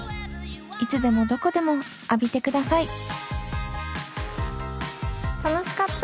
いつでもどこでも浴びてください楽しかった。